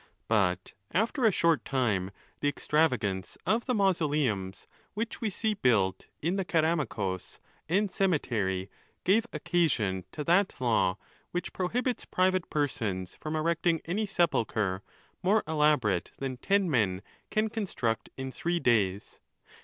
But after a short time, the extravagance of the mansoleums which we see built in the ceramicus. and cemetery, gave occasion to that law which prohibits private persons from erecting any sepulchre more elaborate than ten men can construct in three days: ON THE LAWS.